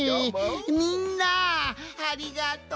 みんなありがとう！